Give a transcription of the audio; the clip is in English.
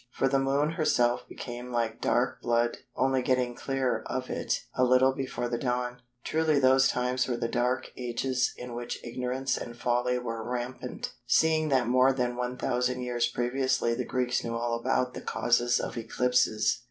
For the Moon herself became like dark blood, only getting clear of it a little before the dawn." Truly those times were the "Dark Ages" in which ignorance and folly were rampant, seeing that more than 1000 years previously the Greeks knew all about the causes of eclipses.